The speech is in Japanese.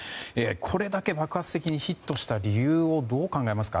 これだけ爆発的にヒットした理由をどう考えますか？